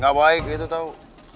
gak baik itu tau